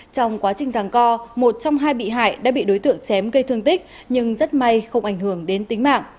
trong quá trình giảng co một trong hai bị hại đã bị đối tượng chém gây thương tích nhưng rất may không ảnh hưởng đến tính mạng